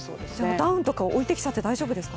ダウンとか置いてきちゃって大丈夫ですか？